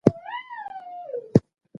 حکومت باید د خلکو غوښتنو ته غوږ ونیسي